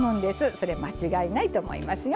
それ間違いないと思いますよ。